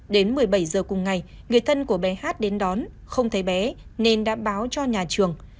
đến một mươi bảy giờ cùng ngày người thân của bé hát đến đón không thấy bé nên đã báo cho nhà trường